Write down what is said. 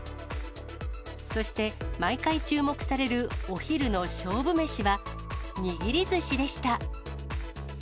そして、毎回注目されるお昼の勝負メシは、握りずしでした。